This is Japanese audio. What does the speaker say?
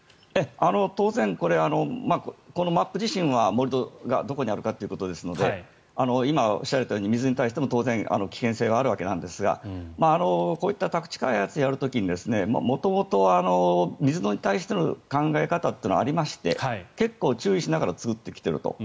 当然、このマップ自身は盛り土がどこにあるかということですので今おっしゃられたように水に対しても当然、危険性があるわけなんですがこういった宅地開発をやる時に元々水に対しての考え方というのがありまして、結構注意しながら作ってきていると。